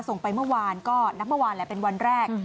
ส่งไปเมื่อวานก็นับเมื่อวานแหละเป็นวันแรก